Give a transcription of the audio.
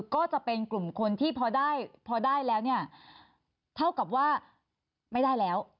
ก็จะเป็นกลุ่มคนที่พอได้แล้วเท่ากับว่าไม่ได้แล้ว